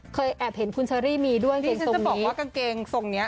เคยแอบเห็นคุณเชอรี่มีด้วยกางเกงทรงนี้